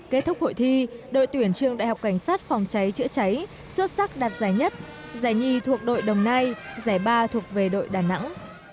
kết thúc hội thi đội tuyển trường đại học cảnh sát phòng cháy chữa cháy xuất sắc đạt giải nhất giải nhì thuộc đội đồng nai giải ba thuộc về đội đà nẵng